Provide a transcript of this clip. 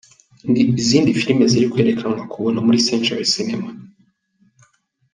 Izindi Filime ziri kwerekanwa ku buntu muri Century Cinemas: .